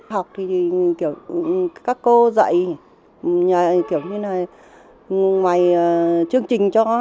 học thì kiểu các cô dạy kiểu như là ngoài chương trình cho